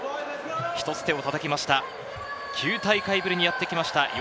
ひとつ手をたたきました、９大会ぶりにやってきました。